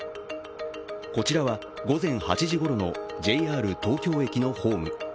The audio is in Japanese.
こちらは、午前８時ごろのＪＲ東京駅のホーム。